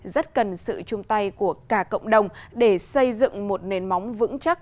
rất cần sự chung tay của cả cộng đồng để xây dựng một nền móng vững chắc